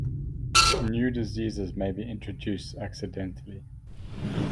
New diseases may be introduced accidentally.